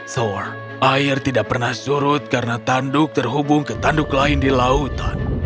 sorr air tidak pernah surut karena tanduk terhubung ke tanduk lain di lautan